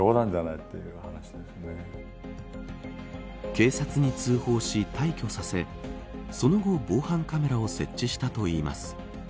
警察に通報し、退去させその後、防犯カメラを設置したといいます。